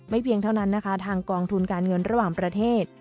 เพียงเท่านั้นนะคะทางกองทุนการเงินระหว่างประเทศ